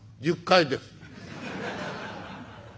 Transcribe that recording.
「１０階です」。